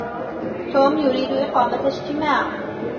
توم يريد إقامة إجتماع.